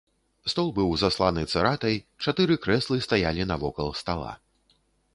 Стол быў засланы цыратай, чатыры крэслы стаялі навокал стала.